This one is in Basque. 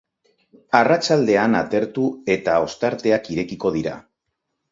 Arratsaldean atertu eta ostarteak irekiko dira.